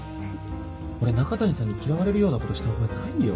俺中谷さんに嫌われるようなことした覚えないよ。